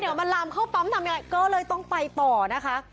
เดี๋ยวมันลามเข้าปั๊มทำยังไงก็เลยต้องไปต่อนะคะ